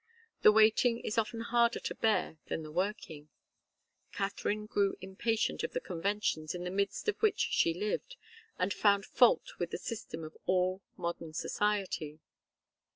The waiting is often harder to bear than the working. Katharine grew impatient of the conventions in the midst of which she lived, and found fault with the system of all modern society.